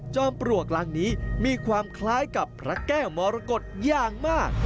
ปลวกหลังนี้มีความคล้ายกับพระแก้วมรกฏอย่างมาก